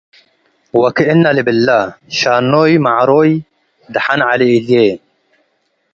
ወክእና ልብለ፤ “ሻኖይ መዐሮይ ደሐን ዐሊ እልዬ ።